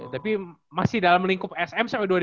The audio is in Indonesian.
tapi masih dalam lingkup sm